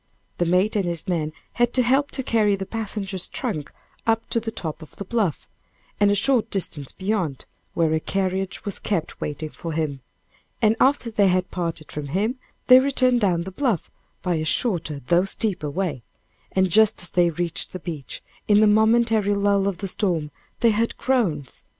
The mate and his man had to help to carry the passenger's trunks up to the top of the bluff, and a short distance beyond, where a carriage was kept waiting for him, and after they had parted from him, they returned down the bluff by a shorter though steeper way; and just as they reached the beach, in the momentary lull of the storm, they heard groans.